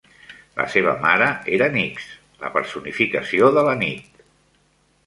La seva mare era Nyx, la personificació de la nit.